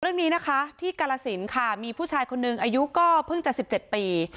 เรื่องนี้นะคะที่กาลสินค่ะมีผู้ชายคนหนึ่งอายุก็เพิ่งจะ๑๗ปี